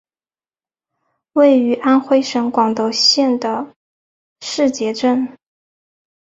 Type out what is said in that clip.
位于安徽省广德县的誓节镇。